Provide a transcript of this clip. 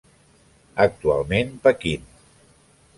Actualment Pequín.